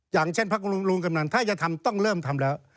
อย่างเช่นพักลุงกำนันถ้าจะทำต้องเริ่มทำแล้ว